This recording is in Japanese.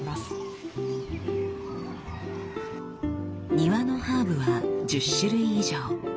庭のハーブは１０種類以上。